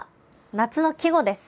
夏の季語です。